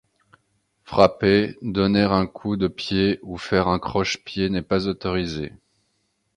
Frapper, donner un coup de pied ou faire un croche pied n'est pas autorisé.